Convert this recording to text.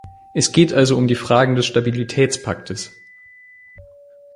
Es geht also um die Fragen des Stabilitätspaktes.